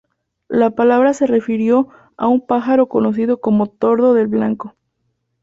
La palabra se refirió a un pájaro conocido como tordo del Blanco.